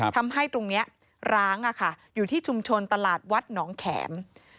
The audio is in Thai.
ทำให้ตรงนี้ร้างอยู่ที่ชุมชนตลาดวัดหนองแข็ม